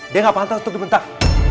dia nggak pantas untuk dibentak